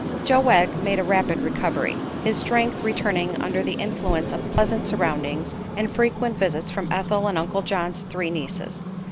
Joe Wegg made a rapid recovery, his strength returning under the influence of pleasant surroundings and frequent visits from Ethel and Uncle John's three nieces.